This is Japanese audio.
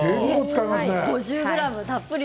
５０ｇたっぷり。